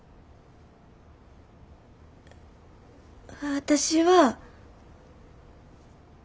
私は。